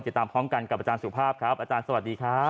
ติดตามพร้อมกันกับอาจารย์สุภาพครับอาจารย์สวัสดีครับ